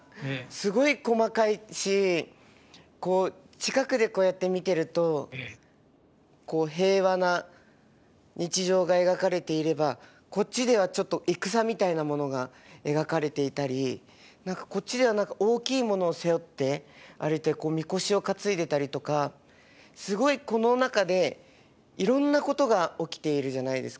すごい細かいしこう近くでこうやって見てるとこう平和な日常が描かれていればこっちではちょっと戦みたいなものが描かれていたりこっちでは何か大きいものを背負って歩いてみこしを担いでたりとかすごいこの中でいろんなことが起きているじゃないですか。